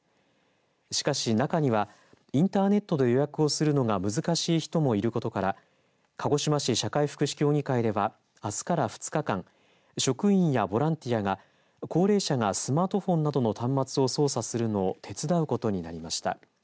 しかし、中にはインターネットの予約が難しい人もいることから鹿児島市社会福祉協議会ではあすから２日間職員やボランティアが高齢者がスマートフォンなどの端末を操作するのを手伝うことになりました。